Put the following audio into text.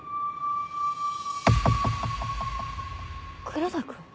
黒田君？